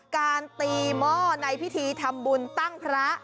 การตีหม้อในพิธีทำบุญตั้งพระ